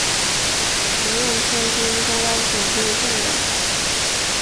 曾任天津公安总队政委。